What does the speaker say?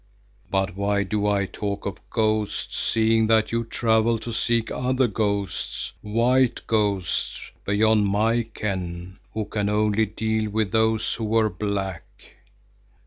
But why do I talk of ghosts, seeing that you travel to seek other ghosts, white ghosts, beyond my ken, who can only deal with those who were black?